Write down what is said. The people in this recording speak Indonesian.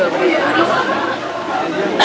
saya sudah melamar pak asyid